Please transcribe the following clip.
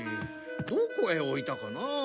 どこへ置いたかなあ。